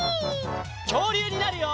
きょうりゅうになるよ！